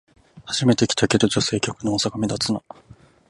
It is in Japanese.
初めて来たけど、女性客の多さが目立つな